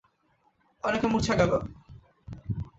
অনেকে মূর্ছা গেল।